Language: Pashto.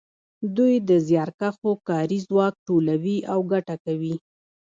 دوی د زیارکښو کاري ځواک لوټوي او ګټه کوي